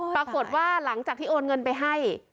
ปรากฏว่าหลังจากที่โอนเงินไปให้